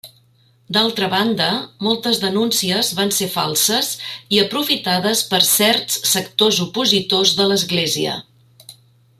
D'altra banda, moltes denúncies van ser falses, i aprofitades per certs sectors opositors de l'Església.